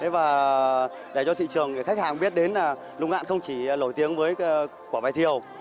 và để cho thị trường khách hàng biết đến là lục ngạn không chỉ lổi tiếng với quả bài thiều